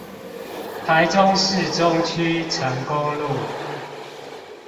台中市中區成功路